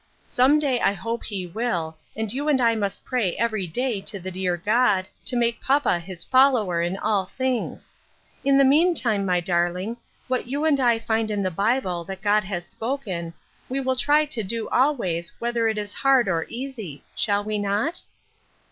Some day I hope he will, and you and I must pray every day to the dear God to make papa his follower in all things. In the meantime, my darling, what you and I find in the Bible that God has spoken, we will try to do always, whether it is hard or easy. Shall we not?"